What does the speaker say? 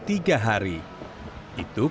itu kalau mau mencuci karpet